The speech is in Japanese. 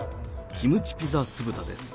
キムチピザ酢豚です。